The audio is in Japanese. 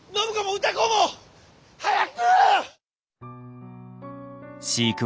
歌子早く！